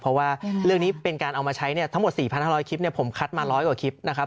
เพราะว่าเรื่องนี้เป็นการเอามาใช้เนี่ยทั้งหมด๔๕๐๐คลิปผมคัดมา๑๐๐กว่าคลิปนะครับ